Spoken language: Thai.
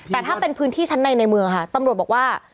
แต่ถ้าเป็นพื้นที่ชั้นในในเมืองค่ะตำรวจบอกว่า